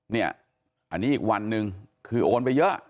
เนี่ยอันนี้อีกวันหนึ่งคือโอนไปเยอะ